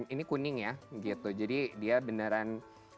ini kuning ya gitu jadi dia beneran